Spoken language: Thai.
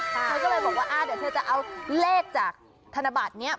เธอก็เลยบอกว่าเดี๋ยวเธอจะเอาเลขจากธนบัตรนี้